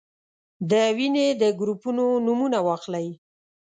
د وینې د ګروپونو نومونه واخلئ.